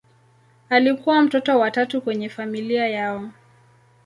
Alikuwa mtoto wa tatu kwenye familia yao.